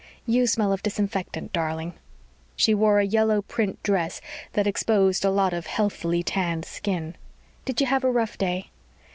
"You smell of disinfectant, darling." She wore a yellow print dress that exposed a lot of healthily tanned skin. "Did you have a rough day?"